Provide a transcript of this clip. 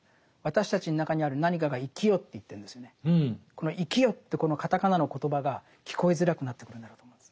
この「生きよ」ってこのカタカナのコトバが聞こえづらくなってくるんだろうと思うんです。